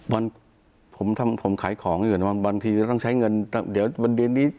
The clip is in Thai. วันผมทำผมขายของอยู่นะบางทีต้องใช้เงินเดี๋ยววันเดือนนี้